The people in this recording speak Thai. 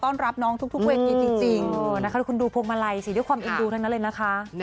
แน่นมากจริง